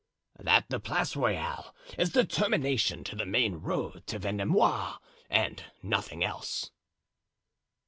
"That the Place Royale is the termination to the main road to Vendomois, and nothing else."